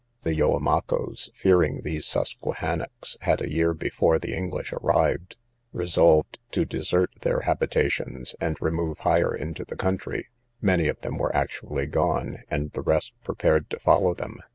The Yoamacoes, fearing these Susquehanocks, had a year before the English arrived, resolved to desert their habitations, and remove higher into the country; many of them were actually gone, and the rest prepared to follow them.